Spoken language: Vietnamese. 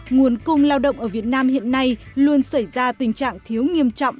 nguồn cung lao động ở việt nam hiện nay luôn xảy ra tình trạng thiếu nghiêm trọng